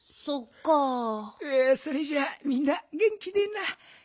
それじゃあみんなげん気でな。